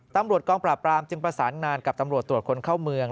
ตำรวจกองปราบรามจึงประสานงานกับตำรวจตรวจคนเข้าเมือง